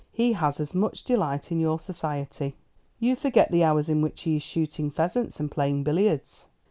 He has as much delight in your society." "You forget the hours in which he is shooting pheasants and playing billiards."